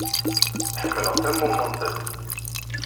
Ḥemmleɣ-t am mummu n tiṭ.